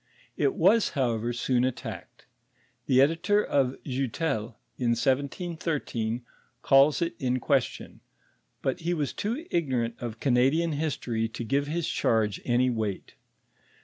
It was, however, soon attacked. The edito' of Joutel, in 1713, calls it in question; but he was too ignorant of Canadian liistory to give hia charge any weight.